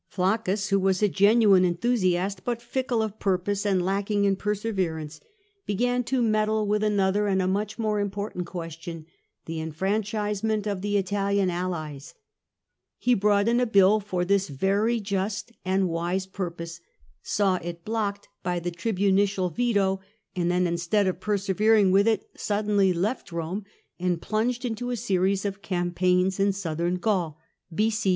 Placcus, who was a genuine enthusiast, but fickle of purpose and lacking in perseverance, began to meddle REVOLT OF FREGELLAE 53 with another and a much more important question — the enfranchisement of the Italian allies. He brought in a bill for this very just and wise purpose, saw it blocked by the tribunicial veto, and then, instead of persevering with it, suddenly left Rome, and plunged into a series of campaigns in Southern Gaul [b.c.